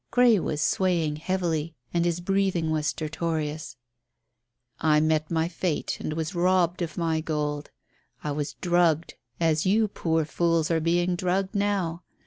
Grey was swaying heavily and his breathing was stertorous. "I met my fate and was robbed of my gold. I was drugged as you poor fools are being drugged now.